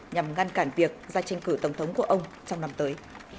nhằm ngăn cản việc ra tranh cử tổng thống của ông trong năm tới